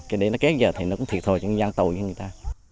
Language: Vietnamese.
cái đấy nó kết giờ thì nó cũng thiệt thôi chứ không giao tội với người ta